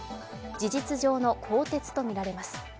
事実上の更迭とみられます。